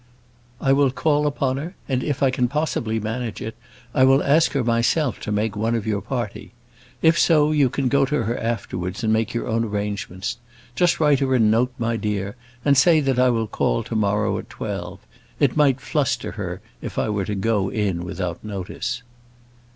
"I will call upon her, and if I can possibly manage it, I will ask her myself to make one of your party. If so, you can go to her afterwards and make your own arrangements. Just write her a note, my dear, and say that I will call to morrow at twelve. It might fluster her if I were to go in without notice."